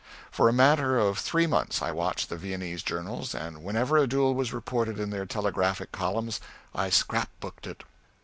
For a matter of three months I watched the Viennese journals, and whenever a duel was reported in their telegraphic columns I scrap booked it.